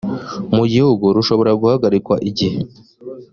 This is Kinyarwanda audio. mu gihugu rushobora guhagarikwa igihe